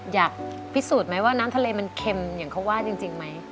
อยากพิสูจน์ไหมว่าน้ำทะเลมันเค็มอย่างเขาว่าจริงไหม